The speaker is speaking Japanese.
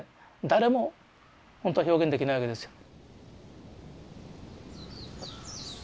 誰も本当は表現できないわけですよ。